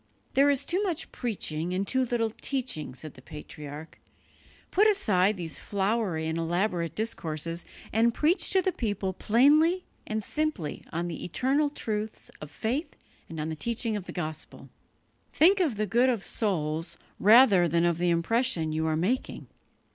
"There is too much preaching and too little teaching," said the patriarch; "put aside these flowery and elaborate discourses, and preach to the people plainly and simply on the eternal truths of faith and on the teaching of the Gospel. Think of the good of souls rather than of the impression you are making.